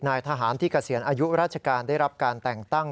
นายทหารที่เกษียณอายุราชการได้รับการแต่งตั้ง